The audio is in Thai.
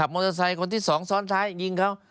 มอเตอร์ไซค์คนที่สองซ้อนท้ายยิงเขา